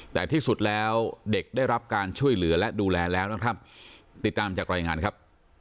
แต่ที่สุดแล้วเด็กได้รับการช่วยเหลือและดูแลแล้วนะครับติดตามจากรายงานครับ